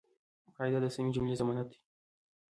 قاعده د سمي جملې ضمانت دئ.